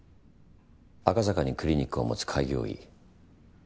赤坂にクリニックを持つ開業医。